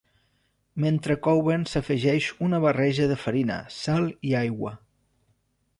Mentre couen s'afegeix una barreja de farina, sal i aigua.